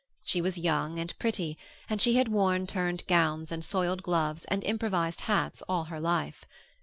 She was young and pretty, and she had worn turned gowns and soiled gloves and improvised hats all her life.